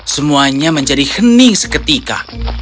semuanya menjadi hening seketika